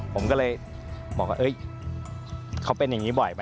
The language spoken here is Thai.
ผมก็เลยบอกว่าเขาเป็นอย่างนี้บ่อยป่